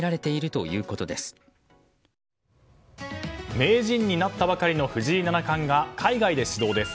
名人になったばかりの藤井七冠が海外で始動です。